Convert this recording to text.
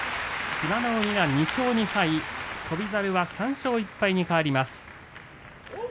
志摩ノ海１勝３敗翔猿３勝１敗に変わります。